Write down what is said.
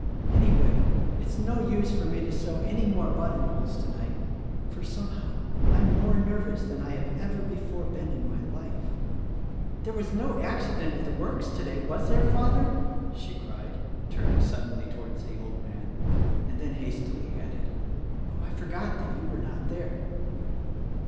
Anyway, it's no use for me to sew any more button holes tonight; for, somehow, I'm more nervous than I have ever before been in my life." "There was no accident at the works today, was there, father?" she cried, turning suddenly towards the old man •— and then hastily added, "I forgot that you were not there."